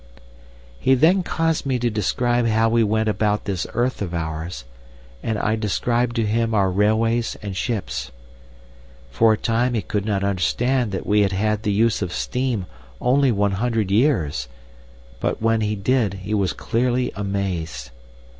] "He then caused me to describe how we went about this earth of ours, and I described to him our railways and ships. For a time he could not understand that we had had the use of steam only one hundred years, but when he did he was clearly amazed.